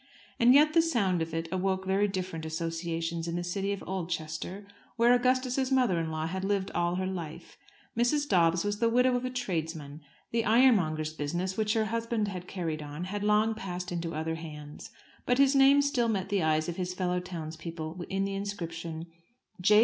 And yet the sound of it awoke very different associations in the city of Oldchester, where Augustus's mother in law had lived all her life. Mrs. Dobbs was the widow of a tradesman. The ironmonger's business, which her husband had carried on, had long passed into other hands; but his name still met the eyes of his fellow townsmen in the inscription, "J.